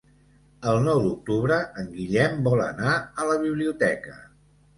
El nou d'octubre en Guillem vol anar a la biblioteca.